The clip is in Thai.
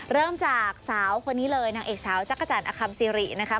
เริ่มจากสาวคนนี้เลยนางเอกสาวจักรจันทร์อคัมซิรินะคะ